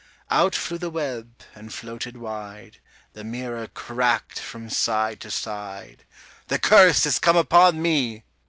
Out flew the web and floated wide; The mirror crack'd from side to side; 115 'The curse is come upon me!